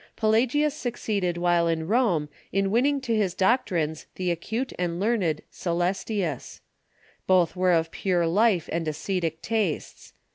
Pelagius succeeded while in Rome in winning to his doc 62 TUB EARLY CHURCH trines tbe acute and learned Coelestius. Both were of j^ure ^. life and ascetic tastes.